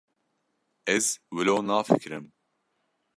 Ez wilo nafikirim.